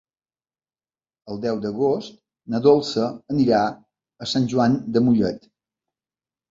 El deu d'agost na Dolça anirà a Sant Joan de Mollet.